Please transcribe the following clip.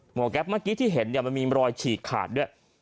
แก๊ปเมื่อกี้ที่เห็นมันมีรอยฉีกขาดด้วย